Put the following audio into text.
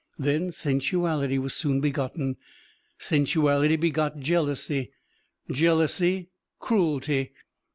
Then sensuality was soon begotten, sensuality begot jealousy, jealousy cruelty....